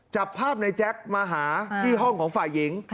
จับภาพในแจ๊คมาหาที่ห้องของฝ่ายหญิง